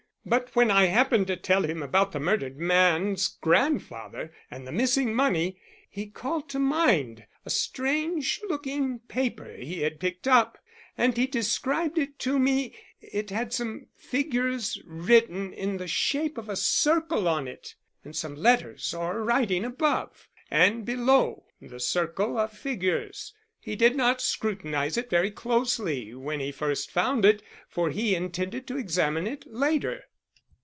But when I happened to tell him about the murdered man's grandfather and the missing money he called to mind a strange looking paper he had picked up. As he described it to me, it had some figures written in the shape of a circle on it, and some letters or writing above and below the circle of figures. He did not scrutinize it very closely when he first found it, for he intended to examine it later."